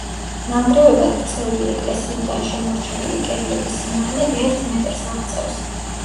ნანგრევებად ქცეული ეკლესიიდან შემორჩენილი კედლების სიმაღლე ერთ მეტრს აღწევს.